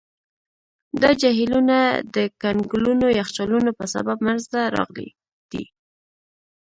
دا جهیلونه د کنګلونو یخچالونو په سبب منځته راغلي دي.